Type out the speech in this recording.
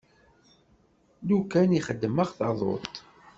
Lukan i xeddmeɣ taḍuṭ.